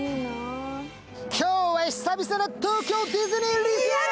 今日は久々の東京ディズニーリゾート！